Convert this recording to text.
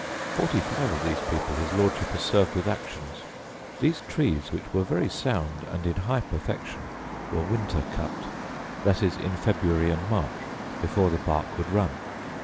Forty five of these people his lordship has served with actions. These trees, which were very sound and in high perfection, were winter cut, viz., in February and March, before the bark would run.